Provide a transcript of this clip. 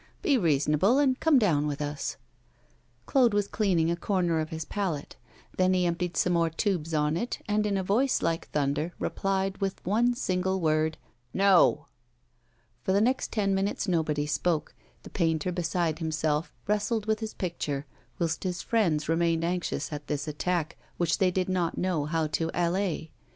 Be reasonable, and come down with us.' Claude was cleaning a corner of his palette. Then he emptied some more tubes on it, and, in a voice like thunder, replied with one single word, 'No.' For the next ten minutes nobody spoke; the painter, beside himself, wrestled with his picture, whilst his friends remained anxious at this attack, which they did not know how to allay.